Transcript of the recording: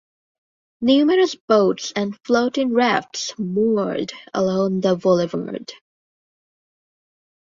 Numerous boats and floating rafts moored along the Boulevard.